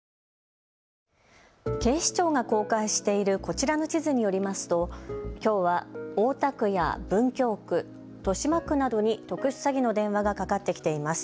警視庁が公開しているこちらの地図によりますときょうは大田区や文京区、豊島区などに特殊詐欺の電話がかかってきています。